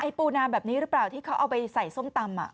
ปูนาแบบนี้หรือเปล่าที่เขาเอาไปใส่ส้มตำ